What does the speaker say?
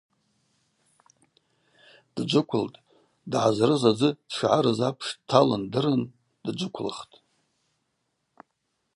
Дджвыквылтӏ, дгӏазрыз адзы дшгӏарыз апш дталын дырын дджвыквылхтӏ.